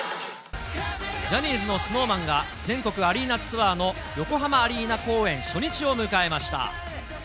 ジャニーズのＳｎｏｗＭａｎが、全国アリーナツアーの横浜アリーナ公演初日を迎えました。